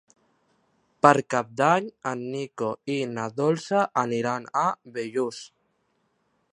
Per Cap d'Any en Nico i na Dolça aniran a Bellús.